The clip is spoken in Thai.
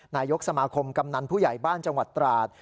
นายกสมาคมกำนันผู้ใหญ่บ้านจังหวัดตราด